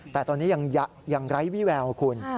แต่ตอนนี้ยังไร้วิแววคุณ